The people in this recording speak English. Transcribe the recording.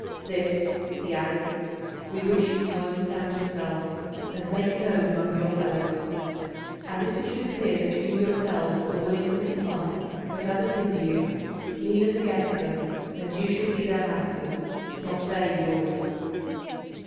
This," he added, "we wish you to understand yourselves and make known among your fellows. And if it should appear that you yourselves are willing to comply but others hinder you, lead us against them, and you shall be their masters, not they yours."